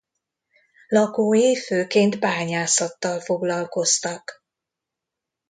Lakói főként bányászattal foglalkoztak.